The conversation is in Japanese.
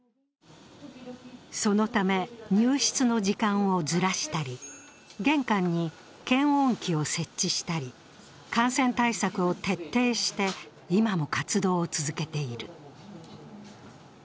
そのため入室の時間をずらしたり、玄関に検温器を設置したり、感染対策を徹底して今も活動を続けている。